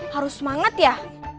harus semangat ya